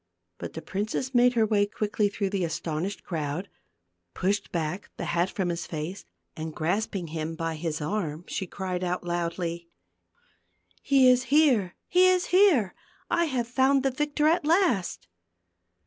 But the princess made her way quickly through the astonished crowd, pushed back the hat from his face and grasping him by his arm, she cried out loudly, "He is here, he is here ! I have found the victor at last."